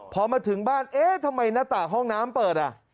พอมาถึงบ้านเอ๊ะทำไมหน้าต่างห้องน้ำเปิดอ่ะ